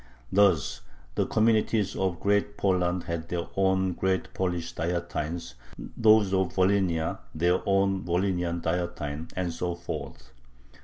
Thus the communities of Great Poland had their own Great Polish "Dietine," those of Volhynia their own Volhynian "Dietine," and so forth.